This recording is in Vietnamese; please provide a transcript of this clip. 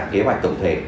kế hoạch tổng thể